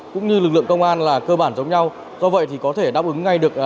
cũng như lực lượng công an là cơ bản giống nhau do vậy thì có thể đáp ứng ngay được